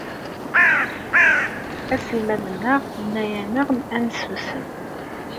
Aselmad-nneɣ yenna-aneɣ-d ad nsusem.